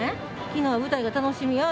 昨日は「舞台が楽しみや」